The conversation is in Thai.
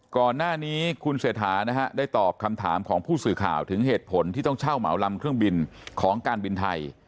ก่อนหน้านี้คุณเศรษฐานะฮะได้ตอบคำถามของผู้สื่อข่าวถึงเหตุผลที่ต้องเช่าเหมาลำเครื่องบินของการบินไทย